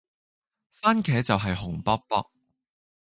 蕃茄就係紅卜卜